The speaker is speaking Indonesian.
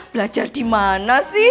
belajar dimana sih